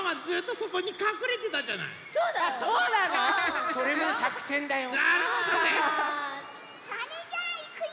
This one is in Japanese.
それじゃあいくよ！